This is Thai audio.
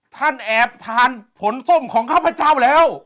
ท่านแอบทานผลส้มของข้าพเจ้าแล้ว